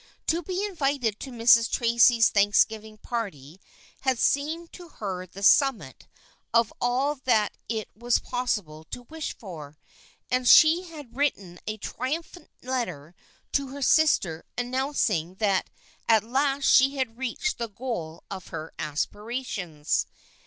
To be invited to Mrs. Tracy's Thanksgiving party had seemed to her the summit of all that it was possible to wish for, and she had written a triumphant letter to her sister announc ing that at last she had reached the goal of her aspirations.